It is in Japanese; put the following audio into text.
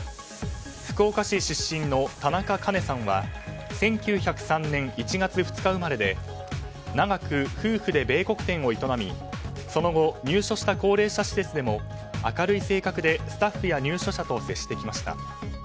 福岡市出身の田中カ子さんは１９０３年１月２日生まれで長く夫婦で米穀店を営みその後、入所した高齢者施設でも明るい性格でスタッフや入所者と接してきました。